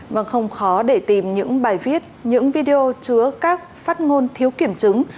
vâng không khó để tìm những bài viết những video chứa các phát ngôn thiếu kiểm chứng